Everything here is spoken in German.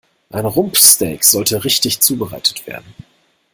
Ein Rumpsteak sollte richtig zubereitet werden.